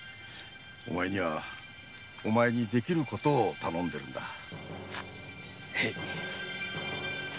お前にはお前にできることを頼んでいるのだ。